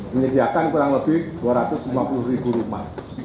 menyediakan kurang lebih dua ratus lima puluh ribu rumah